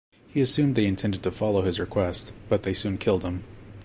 He assumed they intended to follow his request, but they soon killed him.